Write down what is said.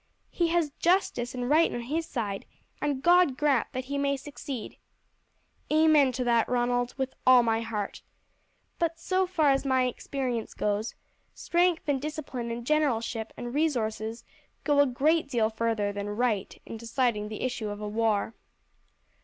He has justice and right on his side, and God grant that he may succeed!" "Amen to that, Ronald, with all my heart! But so far as my experience goes, strength and discipline and generalship and resources go a great deal further than right in deciding the issue of a war."